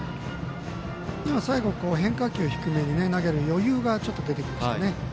でも最後変化球、低めに投げる余裕がちょっと出てきましたね。